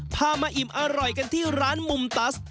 พามาอิ่มอร่อยกันที่ร้านมุมตัส